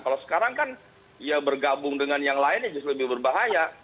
kalau sekarang kan ya bergabung dengan yang lainnya justru lebih berbahaya